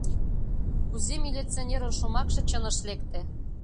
Кузе милиционерын шомакше чыныш лекте!